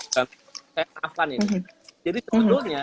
saya afan ini jadi sebetulnya